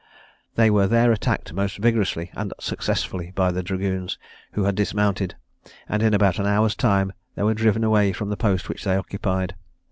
They were there attacked most vigorously and successfully by the dragoons, who had dismounted, and in about an hour's time they were driven away from the post which they occupied.